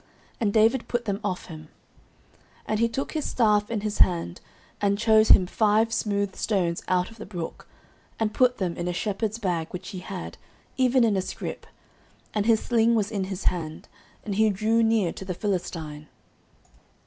And David put them off him. 09:017:040 And he took his staff in his hand, and chose him five smooth stones out of the brook, and put them in a shepherd's bag which he had, even in a scrip; and his sling was in his hand: and he drew near to the Philistine.